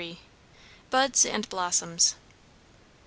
BUDS AND BLOSSOMS.